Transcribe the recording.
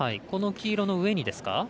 この黄色の上にですか？